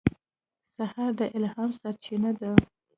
سهار د الهام سرچینه ده.